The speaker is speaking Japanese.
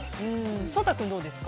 颯太君はどうですか？